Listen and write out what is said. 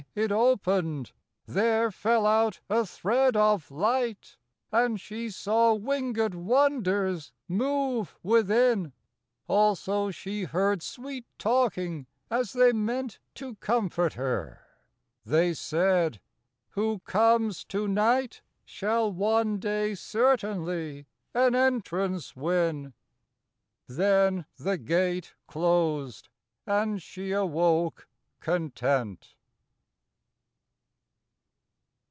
It opened ; there fell out a thread of light, And she saw winged wonders move within; Also she heard sweet talking as they meant To comfort her. They said, "Who comes to night Shall one day certainly an entrance win ;" Then the gate closed and she awoke content.